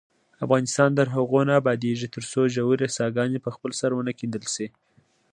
افغانستان تر هغو نه ابادیږي، ترڅو ژورې څاګانې په خپل سر ونه کیندل شي.